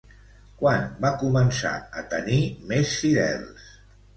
Quan va començar a tenir més fidels?